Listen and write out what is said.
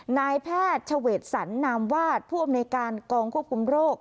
นายแพทย์เฉวดสรรนามวาดผู้อำนวยการกองควบคุมโรค